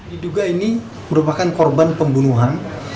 diduga ini merupakan korban pembunuhan